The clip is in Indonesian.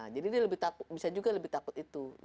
jadi dia bisa juga lebih takut itu